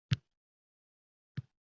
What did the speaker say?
Аdil qomat oʼspirindi